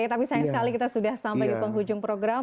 tapi sayang sekali kita sudah sampai di penghujung program